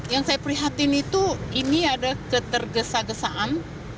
yang saya prihatin itu ini ada ketergesa gesaan